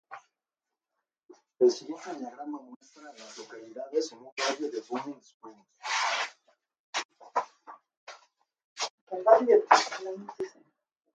El siguiente diagrama muestra a las localidades en un radio de de Running Springs.